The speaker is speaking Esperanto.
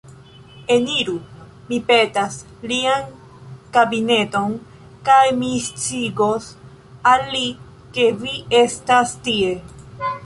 Eniru, mi petas, lian kabineton, kaj mi sciigos al li, ke vi estas tie.